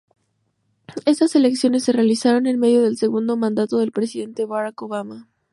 Estas elecciones se realizaron en medio del segundo mandato del presidente Barack Obama.